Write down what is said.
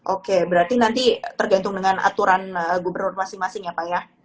oke berarti nanti tergantung dengan aturan gubernur masing masing ya pak ya